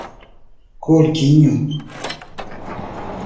Corguinho